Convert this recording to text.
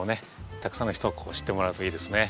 たくさんの人に知ってもらうといいですね。